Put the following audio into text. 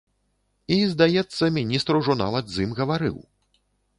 І, здаецца, міністр ужо нават з ім гаварыў.